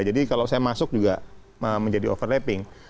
jadi kalau saya masuk juga menjadi overlapping